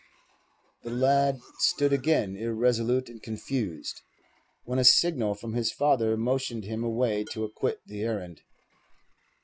The lad stood again irresolute and confused, when a signal from his father motioned him away to acquit the errand.